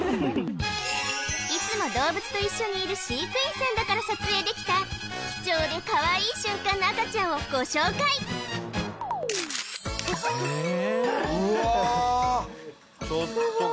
いつも動物と一緒にいる飼育員さんだから撮影できた貴重でかわいい瞬間の赤ちゃんをご紹介うわ